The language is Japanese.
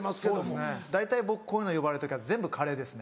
そうですね大体僕こういうの呼ばれる時は全部カレーですね。